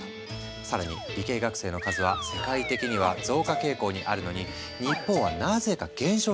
更に理系学生の数は世界的には増加傾向にあるのに日本はなぜか減少しているんだ！